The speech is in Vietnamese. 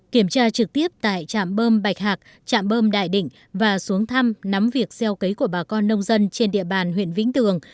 kiểm tra trực tiếp tại trạm bơm bạch hạc trạm bơm đại định và xuống thăm nắm việc gieo cấy của bà con nông dân trên địa bàn huyện vĩnh tường